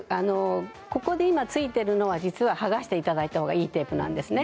ここで今ついているものは実ははがしていただいたほうがいいものです。